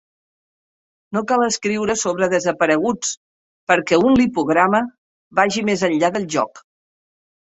No cal escriure sobre desapareguts perquè un lipograma vagi més enllà del joc.